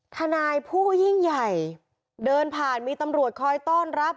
ทนายผู้ยิ่งใหญ่เดินผ่านมีตำรวจคอยต้อนรับ